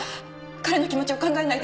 彼の気持ちを考えないで。